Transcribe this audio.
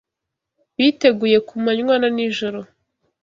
biteguye ku manywa na nijoro